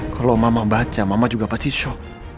kalau mama baca mama juga pasti shock